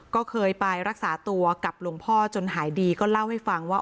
ก็เคยไปรักษาตัวกับหลวงพ่อจนหายดีก็เล่าให้ฟังว่า